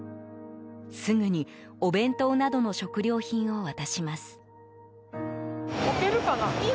すぐにお弁当などの食料品を渡します。